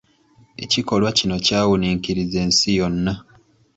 Ekikolwa kino kyawuniikiriza ensi yonna.